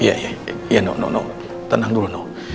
iya iya tidak tidak tenang dulu